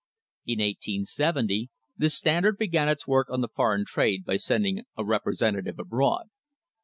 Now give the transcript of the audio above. In 1870 the Standard began its work on the foreign trade by sending a representative abroad.